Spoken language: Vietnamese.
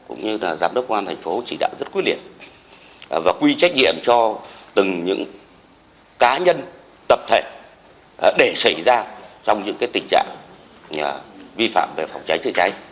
ủy ban nhân thành phố chỉ đạo rất quyết liệt và quy trách nhiệm cho từng những cá nhân tập thể để xảy ra trong những tình trạng vi phạm về phòng cháy chạy cháy